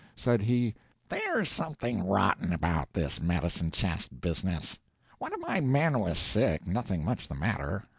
Said he: "There's something rotten about this medicine chest business. One of my men was sick nothing much the matter.